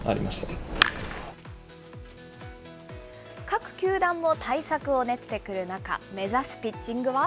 各球団も対策を練ってくる中、目指すピッチングは。